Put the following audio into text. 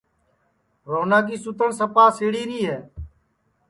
روہنا کی سوتن سپا سِڑی ری ہے